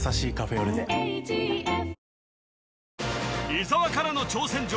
伊沢からの挑戦状